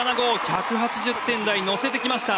１８０点台乗せてきました！